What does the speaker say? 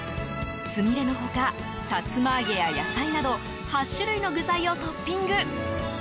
つみれの他さつま揚げや野菜など８種類の具材をトッピング。